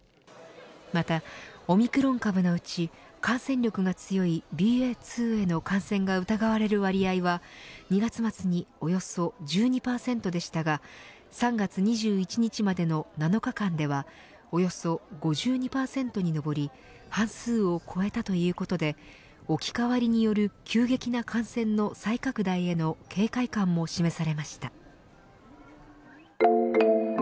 またオミクロン株のうち感染力が強いＢＡ．２への感染が疑われる割合は２月末におよそ１２％でしたが３月２１日までの７日間ではおよそ５２％に上り半数を超えたということで置き換わりによる急激な感染の再拡大への警戒感も示されました。